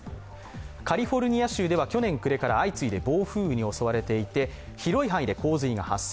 カリフォルニア州では去年暮れから相次いで暴風雨に襲われていて、広い範囲で洪水が発生。